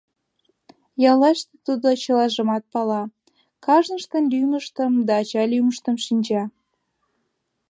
Яллаште тудо чылажымат пала, кажныштын лӱмыштым да ача лӱмыштым шинча.